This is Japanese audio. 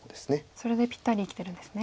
それでぴったり生きてるんですね。